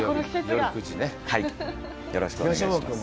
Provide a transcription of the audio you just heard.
よろしくお願いします。